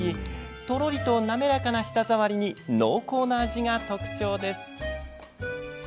とろりと滑らかな舌触りに濃厚な味が特徴です。